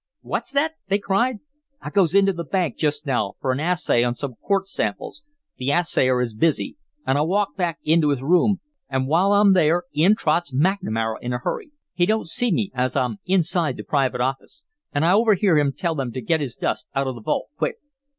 "What's that?" they cried. "I goes into the bank just now for an assay on some quartz samples. The assayer is busy, and I walk back into his room, and while I'm there in trots McNamara in a hurry. He don't see me, as I'm inside the private office, and I overhear him tell them to get his dust out of the vault quick."